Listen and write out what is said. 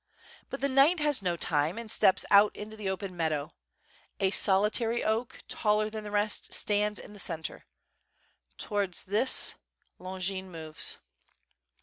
But the knight has no time and steps out into the open meadow. A solitary oak, taller than the rest, stands in the centre, to wards this Longin moves.